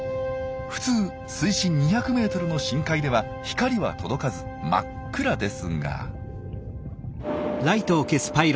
普通水深２００ｍの深海では光は届かず真っ暗ですが。